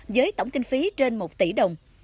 với tổng kinh phí trên một tỷ đồng